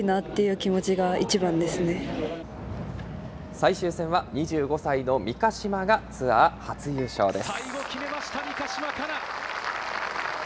最終戦は２５歳の三ヶ島がツアー初優勝です。